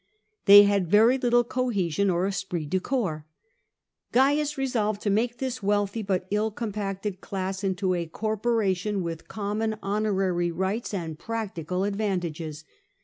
They had very little cohesion or es'^rit de cor; ps. Cains resolved to make this wealthy but ill compacted class into a corporation with common honorary rights and practical advantages.